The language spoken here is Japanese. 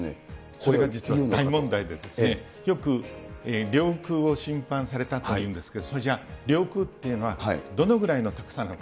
それが実は大問題で、よく領空を侵犯されたというんですけれども、それじゃ領空っていうのは、どのぐらいの高さなのか。